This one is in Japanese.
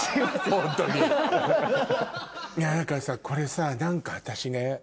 これさ何か私ね